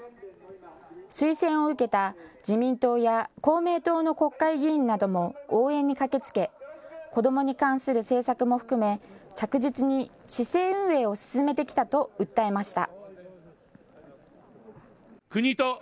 推薦を受けた自民党や公明党の国会議員なども応援に駆けつけ子どもに関する政策も含め着実に市政運営を進めてきたと訴えました。